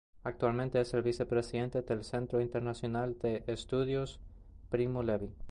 Actualmente es el vicepresidente del Centro internacional de estudios Primo Levi.